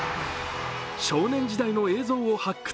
少年時代の映像を発掘。